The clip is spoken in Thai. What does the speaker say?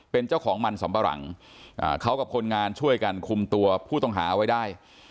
เป็นเจ้าของมันสำปะหลังเขากับคนงานช่วยกันคุมตัวผู้ต้องหาไว้ได้